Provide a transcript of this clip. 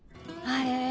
あれ？